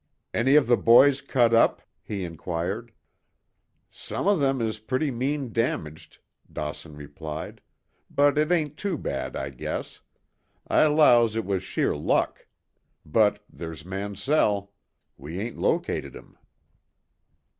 "Any of the boys cut up?" he inquired. "Some o' them is pretty mean damaged," Dawson replied. "But it ain't too bad, I guess. I 'lows it was sheer luck. But ther's Mansell. We ain't located him."